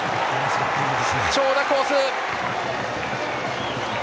長打コース！